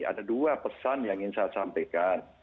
ada dua pesan yang ingin saya sampaikan